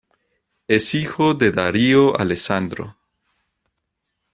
Es hijo de Darío Alessandro.